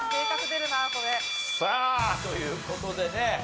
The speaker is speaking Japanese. さあという事でね